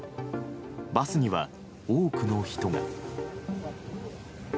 バスには多くの人が。